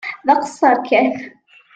D aqeṣṣeṛ kan.